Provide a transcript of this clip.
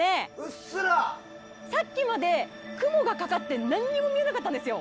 さっきまで雲がかかって何も見えなかったんですよ。